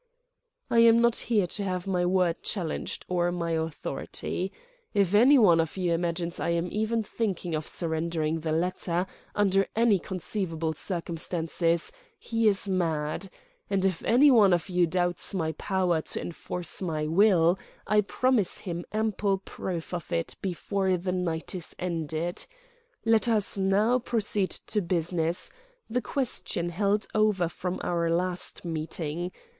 "I am not here to have my word challenged—or my authority. If any one of you imagines I am even thinking of surrendering the latter, under any conceivable circumstances, he is mad. And if any one of you doubts my power to enforce my will, I promise him ample proof of it before the night is ended.... Let us now proceed to business, the question held over from our last meeting.